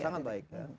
cukup sangat baik